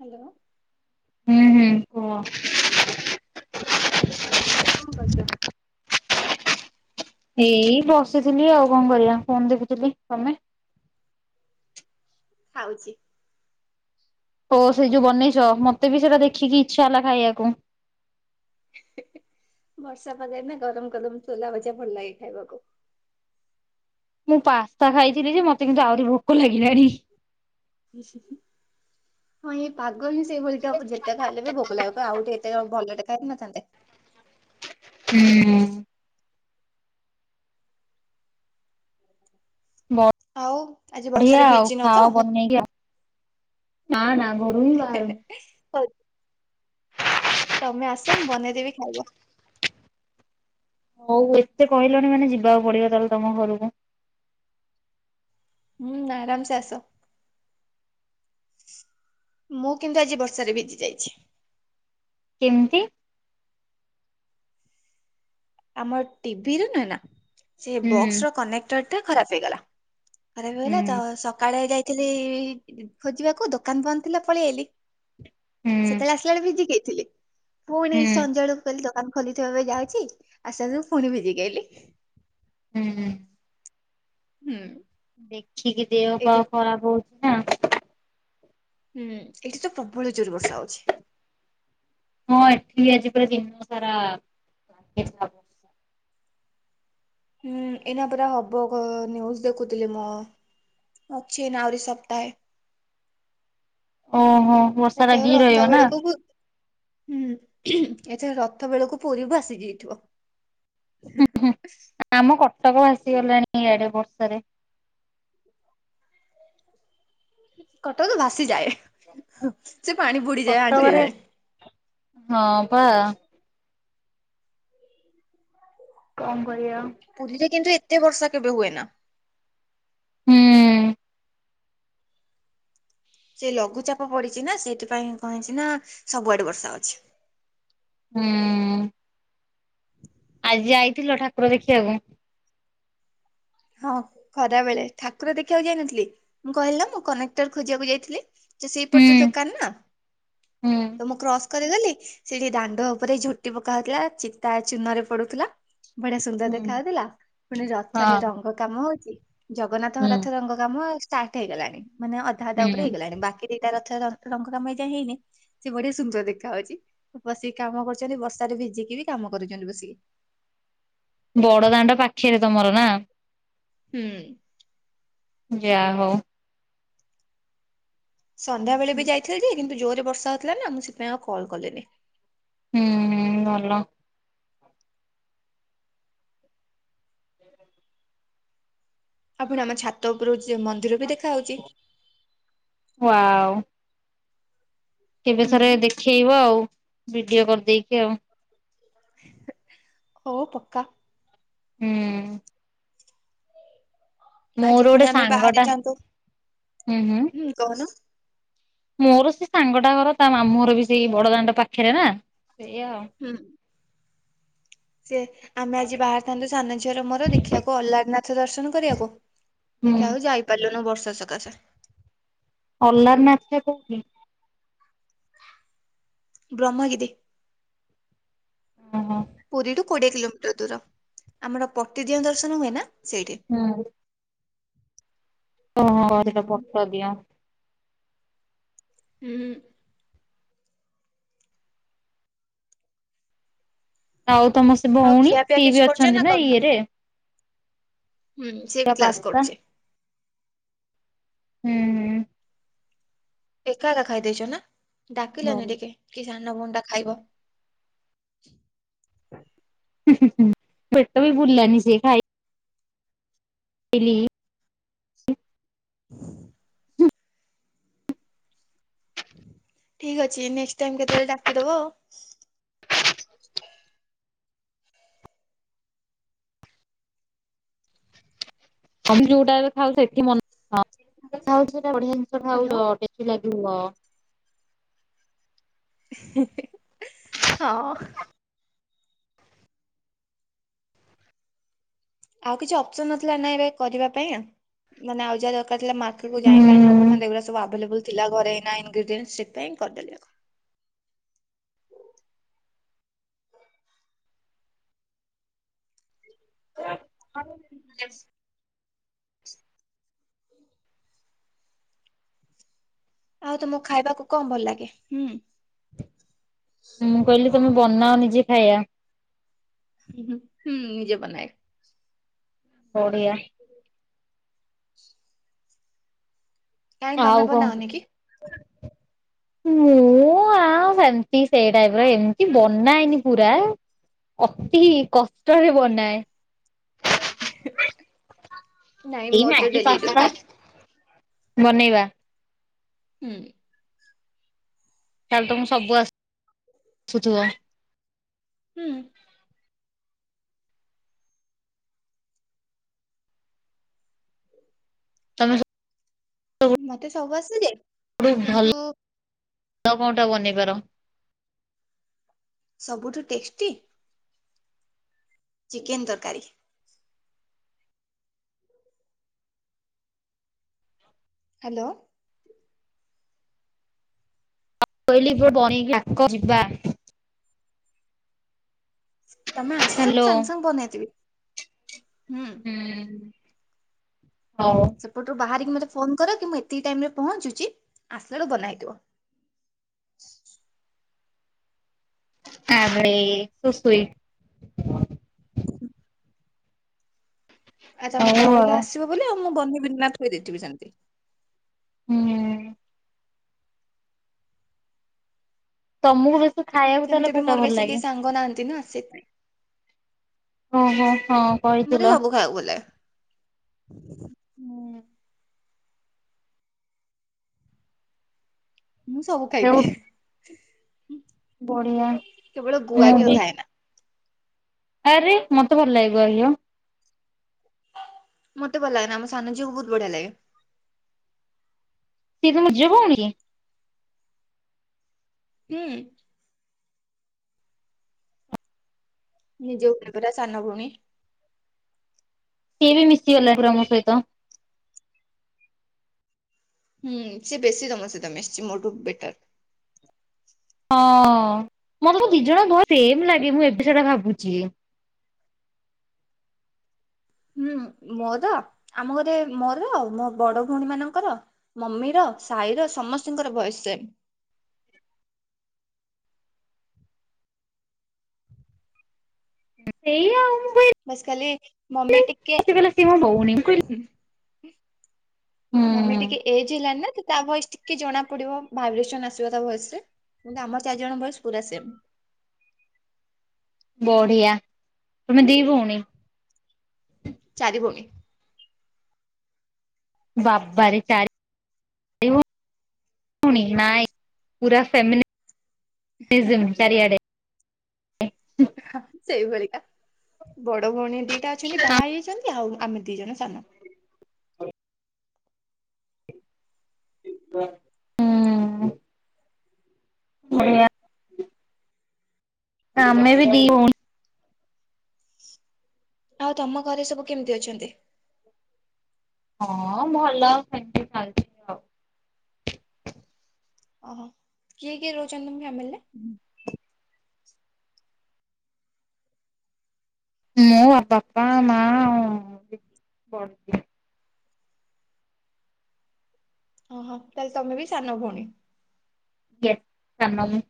Hello. ହୁଁ ହୁଁ କୁହ। କଣ କରୁଛ? ଏଇ ବସିଥିଲି ଆଉ କଣ କରିବା ଫୋନ୍ ଦେଖୁଥିଲି ତମେ? ଖାଉଛି। ଓ ହୋ ସେଇ ଯୋଉ ବନେଇଛ ମତେ ବି ସେଇଟା ଦେଖିକି ଇଚ୍ଛା ହେଲା ଖାଇବାକୁ। ବର୍ଷା ପାଗରେ ନା ଗରମ ଗରମ ଛୋଲା ଭଜା ଭଲ ଲାଗେ ଖାଇବାକୁ। ମୁଁ ପାସ୍ତା ଖାଇଥିଲି ଯେ ମତେ କିନ୍ତୁ ଆହୁରି ଭୋକ ଲାଗିଲାଣି। ହଁ ଏଇ ପାଗ ହିଁ ସେଇଭଳି କା ଯେତେ ଖାଇଲେବି ଭୋକ ଲାଗିବ କହିବ ଆଉ ଟିକେ ଭଲ ଟେ ଖାଇନଥାନ୍ତେ। ହୁଁ। ଆଉ ଆଜି ବଢିଆ ବର୍ଷାରେ ଆଉ ଭିଜିନ ତ? ଖାଅ ବନେଇକି ଆଉ। ନା ନା ଘରୁ ହିଁ ବାହାରୁନି। ହଉ ତମେ ଆସ ମୁଁ ବନେଇଦେବି ଖାଇବ। ହଉ ଏତେ କହିଲଣି ମାନେ ଯିବାକୁ ପଡିବ ତାହେଲେ ତମ ଘରକୁ। ହୁଁ ଆରାମସେ ଆସ। ମୁଁ କିନ୍ତୁ ଆଜି ବର୍ଷାରେ ଭିଜି ଯାଇଚି। କେମିତି? ଆମର ଟିଭି ରୁ ନୁହେଁ ନା, ସେ ହୁଁ ବକ୍ସ ର କନେକ୍ଟର ଟା ଖରାପ ହେଇଗଲା। ଖରାପ ହେଇ ଗଲା ବ ହୁଁ ତ ସକାଳେ ଯାଇଥିଲି ଖୋଜିବାକୁ, ଦୋକାନ ବନ୍ଦ ଥିଲା ପଳେଇ ଆଇଲି। ହୁଁ ସେତେବେଳେ ଆସିଲା ବେଳେ ଭିଜିିକି ଆଇଥିଲି ପୁଣି ହୁଁ। ସଞ୍ଜବେଳକୁ କହିଲି ଦୋକାନ ଖୋଲିଥିବ ଏବେ ଯାଉଛି ଆସିଲା ବେଳକୁ ପୁଣି ଭିଜିକି ଆଇଲି। ହୁଁ। ହୁଁ। ଦେଖିକି ଦେହ ପା ଏଇଠି ଖରାପ ହଉଛି ନା। ହୁଁ ଏଇଠି ତ ପ୍ରବଳ ଜୋରେ ବର୍ଷା ହଉଛି। ହଁ ଏଠି ଆଜି ପୁରା ଦିନ ସାରା ବର୍ଷା। ହୁଁ ଏଇନା ପରା ହବ ନିଉଜ ଦେଖୁଥିଲି ମୁଁ। ଅଛି ଏଇନା ଆହୁରି ସପ୍ତାହେ। ଓହୋ ବର୍ଷା ଏଥର ଲାଗିକି ରଥ ରହିବ ନା। ବେଳକୁ ପୁ- ହୁଁ ଏଥର ରଥ ବେଳକୁ ପୁରୀ ଭାସି ଯାଇଥିବ। ଆମ କଟକ ଭାସିଗଲାଣି ଆଡେ ବର୍ଷା ରେ। କଟକ ଭାସିଯାଏ ସେ ପାଣି ବୁଡିଯାଏ କଟକରେ ଆଣ୍ଟିଏଯାଏ। ହଁ ବା। କଣ କରିଆ? ପୁରୀରେ କିନ୍ତୁ ଏତେ ବର୍ଷା କେବେ ହୁଏ ନା। ହୁଁ-ଉଁ। ସେ ଲଘୁଚାପ ପଡିଚି ନା ସେଥିପାଇଁ କଣ ହେଇଚି ନା ସବୁଆଡେ ବର୍ଷା ଅଛି। ହୁଁ-ଉଁ। ଆଜି ଯାଇଥିଲ ଠାକୁର ଦେଖିବାକୁ? ହଁ ଖରାବେେଳେ ଠାକୁର ଦେଖିବାକୁ ଯାଇନଥିଲି, ମୁଁ କହିଲି ନା ମୁଁ କନେକ୍ଟର୍ ଖୋଜିବାକୁ ଯାଇଥିଲି। ସେ ହୁଁ ସେଇପଟର ଦୋକାନ ନା ହୁଁ ତ ମୁଁ କ୍ରସ୍ କରି ଗଲି ସେଠି ଦାଣ୍ଡ ଉପରେ ଝୋଟି ପକା ହେଉଥିଲା, ଚିତା ଚୂନରେ ପଡୁଥିଲା। ବଢ଼ିଆ ସୁନ୍ଦର ହୁଁ ଦେଖା ହଉଥିଲା, ପୁଣି ରଥରେ ହଁ ରଙ୍ଗ କାମ ହଉଚି। ହୁଁ ଜଗନ୍ନାଥଙ୍କର ରଥ ରଙ୍ଗ କାମ ଷ୍ଟାର୍ଟ୍ ହେଇଗଲାଣି, ମାନେ ଅଧା ଅଧା ଉପରେ ହୁଁ। ହେଇଗଲାଣି ବାକି ଦିଟା ରଥ ର ରଙ୍ଗ କାମ ଏଯାଏଁ ହେଇନି ସିଏ ବଢିଆ ସୁନ୍ଦର ଦେଖା ହଉଚି ବସିକି କାମ କରୁଚନ୍ତି, ବର୍ଷା ରେ ଭିଜିକି ବି କାମ କରୁଚନ୍ତି ବସିକି। ବଡ ଦାଣ୍ଡ ପାଖେରେ ତମର ନା? ହୁଁ! ଯା ହଉ। ସନ୍ଧ୍ୟାବେେଳେ ବି ଯାଇଥିଲେ ଯେ, କିନ୍ତୁ ଜୋରରେ ବର୍ଷା ହେଉଥିଲା ନା, ମୁଁ ସେଥିପାଇଁ ଆଉ କଲ୍ କଲିନି। ହୁଁ ହୁଁ ଭଲ। ଆଉ ପୁଣି ଆମ ଛାତ ଉପରୁକୁ ଯେ ମନ୍ଦିର ବି ଦେଖା ହଉଛି। ୱାଉ। ହୁଁ କେବେଥରେ ଦେଖେଇବଆଉ ଭିଡିଓ କରିଦେଇକି ଆଉ। ହଉ ପକା। ହୁଁ ମୋର ଆଜି ଗୋଟେ ପୁଣି ଆମେ ବାହାରି ସାଙ୍ଗଟା ଥାନ୍ତୁ! ହୁଁ କହୁନ। ମୋର ସେ ସାଙ୍ଗଟା ଘର ତା ମାମୁଁ ଘର ବି ସେଇ ବଡଦାଣ୍ଡ ପାଖରେ ନା ସେଇଆ ଆଉ ହୁଁ ସେ ଆମେ ଆଜି ବାହାରିଥାନ୍ତୁ ସାନ ଝିଅର ମୋର ଦେଖିବାକୁ ଅଲ୍ଲାହାରନାଥ ଦର୍ଶନ କରିବାକୁ ହୁଁ ଦେଖିବାକୁ ଯାଇ ଗଲୁନୁ ବର୍ଷା ସକାଶେ ଅଲ୍ଲାରନାଥ୍ ଟା କୋଉଠି? ବ୍ରହ୍ମଗିରି। ହଁ ହଁ ପୁରୀରୁୁ କୋଡ଼ିଏ କିଲୋମିଟର ଦୂର ଆମର ପଟିଦିଅଁ ଦର୍ଶନ ହୁଏ ନା ସେଇଠି। ହଁ ଓହୋ ହୁଁ। ସେଇଟା ପଟ ଦିଅଁ। ହୁଁ ହଉ ତମସ୍ ସେ ଆଉ ଭଉଣୀ ଖିଆପିଆ ସିଏ କିଛି ବି କରିଛ ଅଛନ୍ତି ନା କରିନ? ଇଏରେ ହୁଁ ସିଏ ବି ତା କ୍ଲାସ ପାସ୍ତା କରୁଛି ହୁଁ। ହୁଁ। ଏକା ଏକା ଖାଇଦେଇଚ ନା ଭଲ ଡାକିଲାନି ହୁଁ ଟିକେ କି ସାନ ଭଉଣୀ ଟା ଖାଇବ। ହୁଁ ହୁଁ ହୁଁ ପେଟ ବି ପୁରିଲାନି ସେ ଖାଇ ଇଲି ହୁଁ ଠିକ୍ ଅଛି ନେଷ୍ଟ୍ ଟାଇମ୍ କେତେବେଳେ ଡାକି ଦବ ଆମେ ଯୋଉଟା ଏବେ ଖାଉ ସେଠି ମନ ଗୋଟେ ବଢିଆ ହ୍ୟାଲୋ। ଜିନିଷ [unintelligible] ହିଁ ହିଁ ହିଁ ହଁ ଆଉ କିଛି ଅପସନ୍ ନଥିଲା ନା ଏବେ କରିବା ପାଇଁ, ମାନେ ଆଉ ଯାହା ଦରକାରଥିଲା ମାର୍କେଟ୍ କୁ ହୁଁ। ଯାଇକି ଆଣିବା କୁ ପ ଏଗୁଡା ସବୁ ଆଭେଲେବଲ୍ ଥିଲା ଘରେ ଇନ୍ ଗ୍ରେଡିଏଣ୍ଟ୍ ସେଇଥିପାଇଁ କରିଦେଲି, ଆକୁ ଆଉ ତମକୁ ଖାଇବାକୁ କଣ ଭଲ ଲାଗେ, ହୁଁ। ମୁଁ କହିଲି ତମେ ବନାଅ ନିଜେ ଖାଇବା। ହୁଁ ନିଜେ ବନାଏ। ପଡ଼ିିଆ। କାଇଁ ତମେ ଆଉ କଣ? ବନାଅନି କି? ମୁଁ ଆଉ ସେମିତି ସେଇ ଟାଇପ୍ ର ଏମିତି ବନାଏନି ପୁରା। ଅତି କଷ୍ଟ ହେବ ନାଏ। ନାଇଁ ଏଇ ମୋର ତ ମ୍ୟାଗି ଡେଲି ପାସ୍ତା ଡ୍ୟୁଟି। ବନେଇବା? ହୁଁ। ତାହାଲେ ତମକୁ ସବୁ ଆସୁଥିବ? ହୁଁ। ତମେ ସବୁଠୁ ମତେ ସବୁ ଆସେ ଯେ ଭଲ କୋଉଟା ବନେଇପାର? ସବୁଠୁ ଟେଷ୍ଟି? ଚିକେନ୍ ତରକାରୀ। ହାଲୋ। କହିଲ ପିବା [unintelligible] ତମେ ଆସ ମୁଁ ହ୍ୟାଲୋ ସାଙ୍ଗେ ସାଙ୍ଗେ ବନେଇଦେବି। ହୁଁ। ହୁଁ। ହଉ। ସେପଟରୁ ବାହାରିକି ମୋତେ ଫୋନ୍ କର, କି ମୁଁ ଏତିକି ଟାଇମ୍ ରେ ପହଞ୍ଚୁଛି। ଆସିଲା ବେଳକୁ ବନା ହେଇଥିବ। ଆରେ ସୋ ସୁଇଟ୍। ଆ ହଉ ତମେ କହିଲ ଆଉ ଆସିବ ବୋଲି, ଆଉ ମୁଁ ବନେଇବିନି ନା ଥୋଇ ଦେଇଥିବି ସେମିତି। ହୁଁ। ତମକୁ ବେଶୀ ଖାଇବାକୁ ସେମିତି ତାହେଲେ ବି କୋଉଟା ମୋର ଭଲ ବେଶୀ କେହି ଲାଗେ? ସାଙ୍ଗ ନାହାନ୍ତି ନା ସେଇଥି ପାଇଁ। ଓ ହୋ, ହଁ। କହିଥିଲ ମତେ ସବୁ ଖାଇବାକୁ ଭଲ ଲାଗେ। ହୁଁ। ମୁଁ ସବୁ ହୁଁ ଖାଇଦିଏ। ବଢିଆ କେବଳ ଗୁଆ ମୁଁ ଘିଅ ବି ଖାଏ ନା। ଆରେ ମତେ ଭଲ ଲାଗେ ଗୁଆ ଘିଅ। ମତେ ଭଲ ଲାଗେ ନା, ଆମ ସାନ ଝିଅ କୁ ବୋହୁତ୍ ବଢିଆ ଲାଗେ। ସିଏ ତମ ନିଜ ଭଉଣୀ କି? ହୁଁ। ନିଜେ ଉପ ପୁରା ସାନ ଭଉଣୀ। ସିଏ ବି ମିଶିଗଲା ପୁରା ମୋ ସହିତ। ହୁଁ, ସିଏ ବେଶୀ ତମ ସହିତ ମିଶିଛି, ମୋଠୁ ବେଟର। ହଁ ମତେ ଦି ଜଣ ସେମ୍ ଲାଗେ, ମୁଁ ଏବେ ସେଟା ଭାବୁଛି। ହୁଁ ମୋର ଆମ ଘରେ ମୋର ମୋ ବଡ ଭଉଣୀ ମାନଙ୍କର ମମି ର ସାହି ର ସମସ୍ତଙ୍କର ଭଏସ୍ ଶେମ। ସେଇୟା ମୁ କହି ବାସ୍ ଖାଲି ମମି ଟିକେ ମତେ କହିଲା ସିଏ ମୋ ଭଉଣୀ ମୁଁ କହିଲି ମମି ହୁଁ ଟିକେ ଏଜ୍ ହେଲାଣି ନା ତ ତା ଭଏସ୍ ଟିକେ କି ଜଣା ପଡିବ ଭାଇବ୍ରେସନ ଆସିବ ତା ଭଏସ୍ ରେ। କିନ୍ତୁ ଆମ ଚାରି ଜଣଙ୍କର ଭଏସ୍ ପୁରା ସେମ୍। ବଢିଆ। ତମେ ଦି ଭଉଣୀ? ଚାରି ଭଉଣୀ। ବାବାରେ, ଚାରି ଭଉଣୀ। ନାଇଁ, ପୁରା ଫ୍ୟାମିନିଜିମ୍ ଚାରିଆଡ଼େ। ସେଇଭଳିିକା। ବଡ ଭଉଣୀ ଦିଟା ଅଛନ୍ତି, ବାହା ହେଇ ଯାଇଛନ୍ତି। ଆଉ ଆମେ ଦି ଜଣ ସାନ। ହୁଁ। ନା ଆମେ ବି ଦି ଭଉଣୀ। ଆଉ ତମ ଘରେ ସବୁ କେମିତି ଅଛନ୍ତି? ହଁ ଭଲ ସେମିତି ଖାଉଚୁ। ଓହୋ, କିଏ କିଏ ରହୁଛନ୍ତି ତମ ଫ୍ୟାମିଲୀ ରେ? ହୁଁ ମୁଁ ବାପା, ମା ଆଉ ବଡ ଦି। ଓହଁ ତାହେଲେ ତମେ ବି ସାନ ଭଉଣୀ? ୟେ ସାନ ମୁଁ।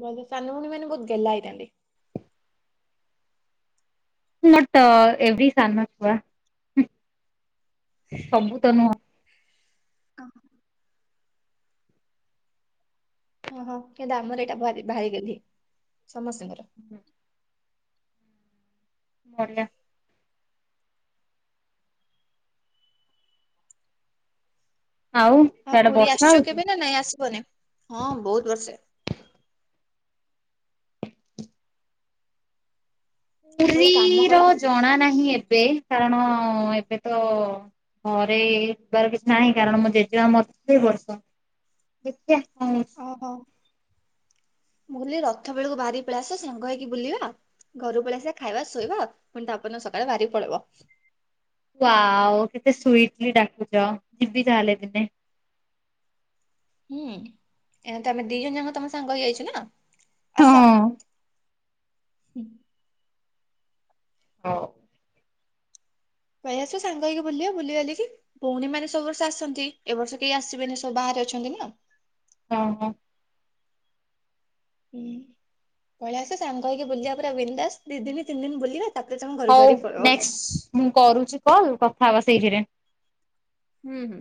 ବ ସାନ ଭଉଣୀ ମାନେ ବହୁତ ଗେହ୍ଲା ହେଇଥାନ୍ତି। ନଟ ଏଭ୍ରି ସାନ ଛୁଆ। ସବୁ ତ ନୁହଁ। ଅହ୍। ହଁ ହଁ କିନ୍ତୁ ଆମର ଏଇଟା ଭାରି ଭାରି ଗେହ୍ଲି ସମସ୍ତଙ୍କର। ହୁଁ। ବଢିଆ। ଆଉ ସିଆଡେ ପୁରୀ ବର୍ଷା ଆସିଛ ହଉଛି? କେବେ ନା ନାଇଁ ଆସିବନି? ଗୋଟେ କାମ ପୁରୀର କର ଜଣା ନାହିଁ ଏବେ କାରଣ ଏବେ ତ ଘରେ ଯିବାର କିଛି ନାହିଁ କାରଣ ମୋ ଜେଜେମା ମରିଚି ଏ ବର୍ଷ। ଦେଖିବା କଣ୍ ହଉଚି। ଓହୋ ମୁଁ କହିଲି ରଥ ବେଳକୁ ବାହାରିକି ପଳେଇ ଆସ ସାଙ୍ଗ ହେଇକି ବୁଲିବା। ଘରୁ ପଳେଇଆସ ଖାଇବା ଶୋଇବ ପୁଣି ତା ପରଦିନ ସକାଳେ ବାହାରିକି ପଳେଇବ। ୱାୱ୍ କେତେ ସୁଇଟଲି ଡାକୁଛ ଯିବି ତାହେଲେ ଦିନେ। ହୁଁ ଏ ତ ଆମେ ଦି ଜଣ ଯାକ ତମ ସାଙ୍ଗ ହେଇଯାଇଛ ନା ହଁ। ଆସ। ହଁ। ଭାଇ ଆସୁ ସାଙ୍ଗ ହେଇକି ବୁଲିବା ବୁଲିିବାଲିକି ଭଉଣୀମାନେ ସବୁ ବର୍ଷ ଆସନ୍ତି ଏ ବର୍ଷ କେହି ଆସିବେନି ସବୁ ବାହାରେ ଅଛନ୍ତି ନା। ହଁ ହଁ। ହୁଁ ପଳେଇ ଆସ ସାଙ୍ଗ ହେଇକି ବୁଲିବା ପୁରା ବିନ ଦାସ ଦି ଦିନ ତିନି ଦିନ ବୁଲିବା ତାପରେ ତମେ ଘରକୁ ହଉ ବାହାରିକି ପଳେଇବ। ନେକ୍ସଟ୍ ମୁଁ କରୁଛି କଲ କଥା ହବା ସେଇଥିରେ। ହୁଁ ହୁଁ।